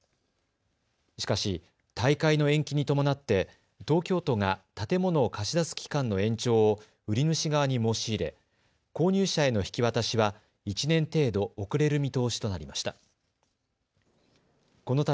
しかし、大会の延期に伴って東京都が建物を貸し出す期間の延長を売り主側に申し入れ購入者への引き渡しは１年程度遅れる見通しとなりました。